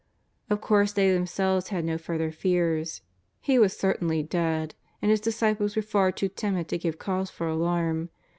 Of course they themselves had no further fears. He was certainly dead, and His disciples were far too timid to give cause for alarm.